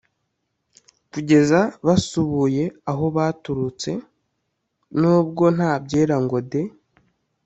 Kugeza basubuye aho baturutse nubwo ntabyera ngo de.